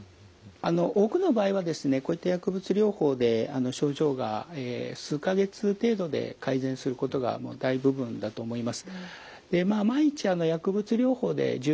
多くの場合はですねこういった薬物療法で症状が数か月程度で改善することが大部分だと思います。